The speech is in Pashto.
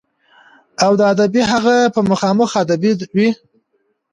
او د ادبي هغه به خامخا ادبي وي.